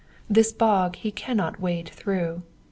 This bog he cannot wade through.